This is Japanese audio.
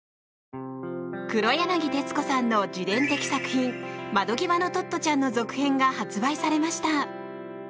黒柳徹子さんの自伝的作品「窓ぎわのトットちゃん」の続編が発売されました。